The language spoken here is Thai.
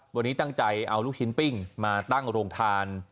วันนี้ตั้งใจเอาลูกชิ้นปิ้งมาตั้งโรงทาน